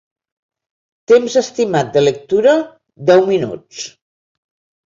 Temps estimat de lectura: deu minuts.